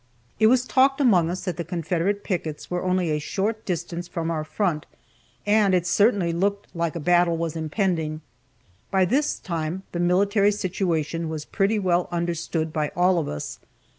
It was talked among us that the Confederate pickets were only a short distance from our front, and it certainly looked like a battle was impending. By this time the military situation was pretty well understood by all of us.